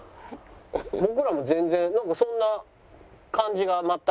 僕らも全然なんかそんな感じが全く。